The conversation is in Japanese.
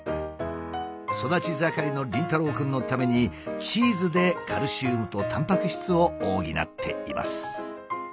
育ち盛りの凛太郎くんのためにチーズでカルシウムとたんぱく質を補っています。